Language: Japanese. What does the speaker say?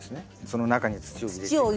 その中に土を入れていく。